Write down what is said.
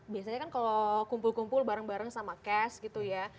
biasanya kan kalau kumpul kumpul bareng bareng sama cash gitu ya